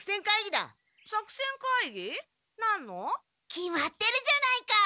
決まってるじゃないか。